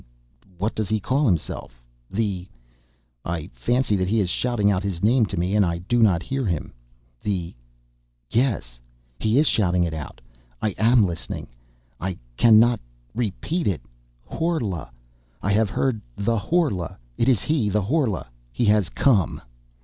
what does he call himself ... the ... I fancy that he is shouting out his name to me and I do not hear him ... the ... yes ... he is shouting it out ... I am listening ... I cannot ... repeat ... it ... Horla ... I have heard ... the Horla ... it is he ... the Horla ... he has come!...